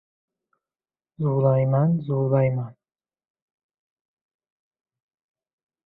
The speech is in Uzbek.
— Zuvlamayman! Zuvlamayman!